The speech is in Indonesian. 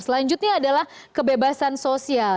selanjutnya adalah kebebasan sosial